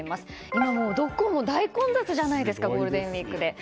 今どこも大混雑じゃないですかゴールデンウィークで。